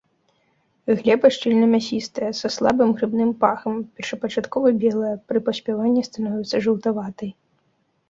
Глеба шчыльна-мясістая, са слабым грыбным пахам, першапачаткова белая, пры паспяванні становіцца жаўтаватай.